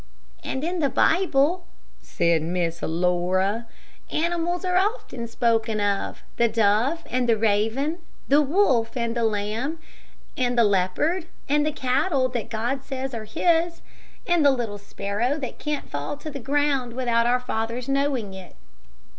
"And in the Bible," said Miss Laura, "animals are often spoken of. The dove and the raven, the wolf and the lamb, and the leopard, and the cattle that God says are his, and the little sparrow that can't fall to the ground without our Father's knowing it."